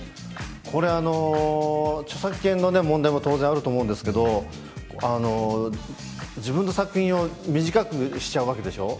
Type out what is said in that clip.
これ、著作権の問題も当然あると思うんですけど、自分の作品を短くしちゃうわけでしょう。